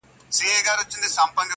o پردى کټ تر نيمي شپې دئ.